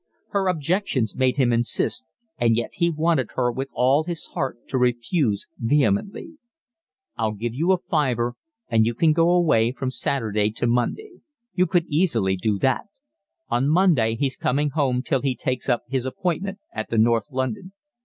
Her objections made him insist, and yet he wanted her with all his heart to refuse vehemently. "I'll give you a fiver, and you can go away from Saturday to Monday. You could easily do that. On Monday he's going home till he takes up his appointment at the North London."